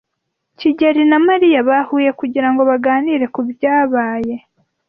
kigeli na Mariya bahuye kugirango baganire kubyabaye.